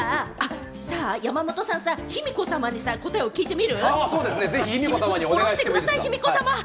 山本さんは卑弥呼さまに答えを聞いてみる？